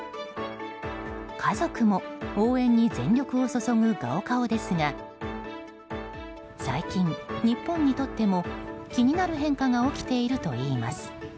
家族も応援に全力を注ぐ高考ですが最近、日本にとっても気になる変化が起きているといいます。